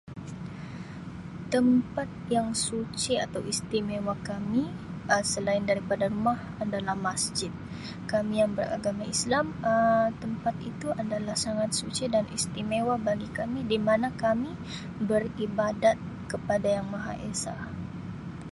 Tempat yang suci atau istimewa kami Um selain daripada rumah adalah masjid kami yang beragama islam Um tempat itu adalah sangat suci dan istimewa bagi kami di mana kami beribadat kepada yang maha Esa.